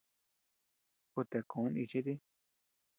Kuta koʼo nichi dii.